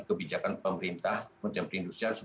kebijakan pemerintah kementerian perindustrian